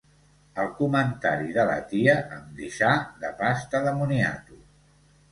El comentari de la tia em deixà de pasta de moniato.